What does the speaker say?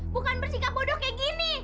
bukan bersikap bodoh kayak gini